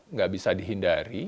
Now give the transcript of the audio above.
nggak bisa dihindari